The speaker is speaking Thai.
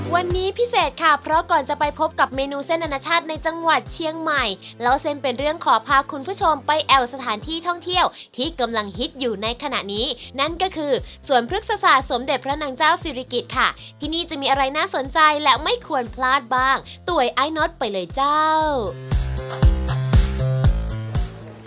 วันนี้พิเศษค่ะเพราะก่อนจะไปพบกับเมนูเส้นอนาชาติในจังหวัดเชียงใหม่เล่าเส้นเป็นเรื่องขอพาคุณผู้ชมไปแอวสถานที่ท่องเที่ยวที่กำลังฮิตอยู่ในขณะนี้นั่นก็คือสวนพฤกษศาสตร์สมเด็จพระนางเจ้าศิริกิจค่ะที่นี่จะมีอะไรน่าสนใจและไม่ควรพลาดบ้างต่วยไอ้น็อตไปเลยเจ้า